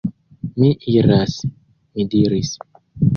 Mi iras! mi diris.